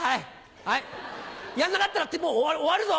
やんなかったらもう終わるぞ！